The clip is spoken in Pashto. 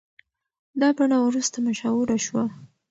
دا بڼه وروسته مشهوره شوه.